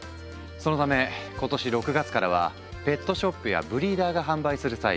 そのため今年６月からはペットショップやブリーダーが販売する際